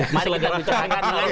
mari kita bicarakan lagi